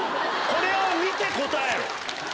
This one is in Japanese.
これを見て答えろ！